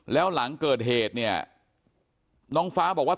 แล้วหลังเกิดเหตุเนี่ยน้องฟ้าบอกว่า